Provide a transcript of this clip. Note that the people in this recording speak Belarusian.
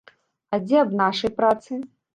А дзе аб нашай працы?